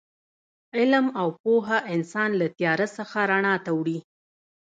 علم او پوهه انسان له تیاره څخه رڼا ته وړي.